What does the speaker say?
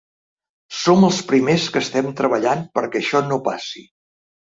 Som els primers que estem treballant perquè això no passi.